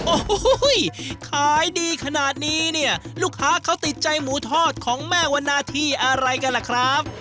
โอ้โหขายดีขนาดนี้เนี่ยลูกค้าเขาติดใจหมูทอดของแม่วันนาที่อะไรกันล่ะครับ